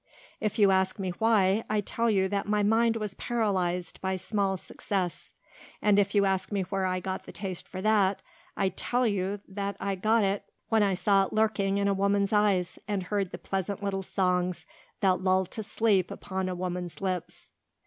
"If you ask me why, I tell you that my mind was paralysed by small success and if you ask me where I got the taste for that, I tell you that I got it when I saw it lurking in a woman's eyes and heard the pleasant little songs that lull to sleep upon a woman's lips."